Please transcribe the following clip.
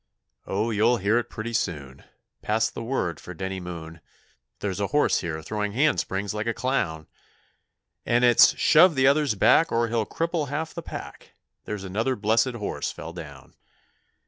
Oh, you'll hear it pretty soon, 'Pass the word for Denny Moon, There's a horse here throwing handsprings like a clown; And it's 'Shove the others back or he'll cripple half the pack, There's another blessed horse fell down.'